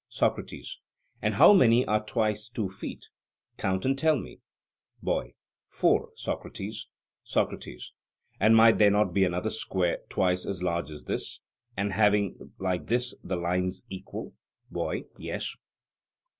SOCRATES: And how many are twice two feet? count and tell me. BOY: Four, Socrates. SOCRATES: And might there not be another square twice as large as this, and having like this the lines equal? BOY: Yes.